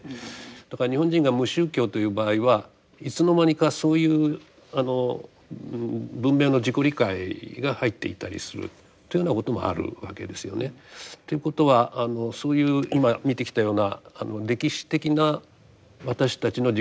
だから日本人が無宗教という場合はいつの間にかそういう文明の自己理解が入っていたりするというようなこともあるわけですよね。ということはそういう今見てきたような歴史的な私たちの自己理解。